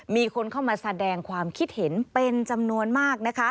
มีคนเข้ามาแสดงความคิดเห็นเป็นจำนวนมากนะคะ